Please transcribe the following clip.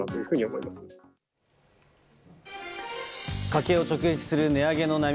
家計を直撃する値上げの波。